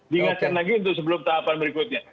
diingatkan lagi itu sebelum tahapan berikutnya